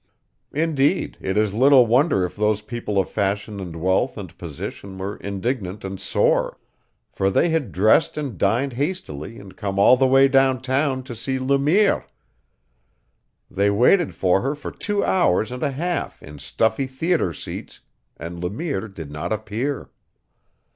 Indeed, it is little wonder if those people of fashion and wealth and position were indignant and sore. For they had dressed and dined hastily and come all the way down town to see Le Mire; they waited for her for two hours and a half in stuffy theater seats, and Le Mire did not appear.